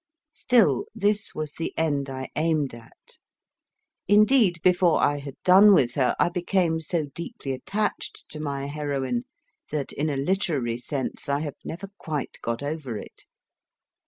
Still, this was the end I aimed at. Indeed, before I had done with her, I became so deeply attached to my heroine that, in a literary sense, I have never quite got over it.